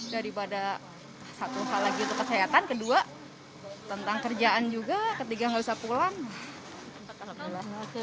daripada satu hal lagi untuk kesehatan kedua tentang kerjaan juga ketiga nggak usah pulang ke